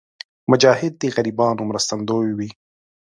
مجاهد د غریبانو مرستندوی وي.